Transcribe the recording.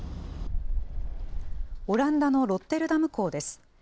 オランダのロッテルダム港です。